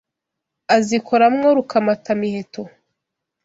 Azikora mwo Rukamata-miheto